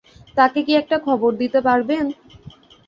তাকে কি একটা খবর দিতে পারবেন?